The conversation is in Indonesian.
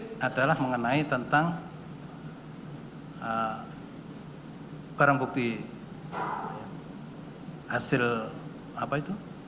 jadi adalah mengenai tentang barang bukti hasil apa itu